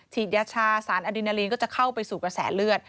ยาชาสารอดินาลีนก็จะเข้าไปสู่กระแสเลือด